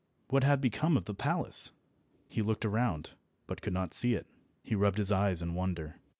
What had become of the palace? He looked around, but could not see it. He rubbed his eyes in wonder.